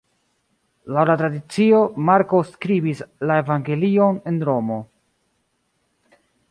Laŭ la tradicio Marko skribis la evangelion en Romo.